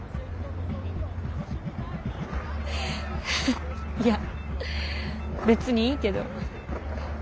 ハハッいや別にいいけど。